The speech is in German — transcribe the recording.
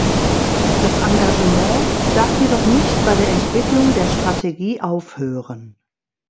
Das Engagement darf jedoch nicht bei der Entwicklung der Strategie aufhören.